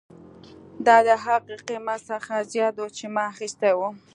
دا د هغه قیمت څخه زیات و چې ما اخیستی و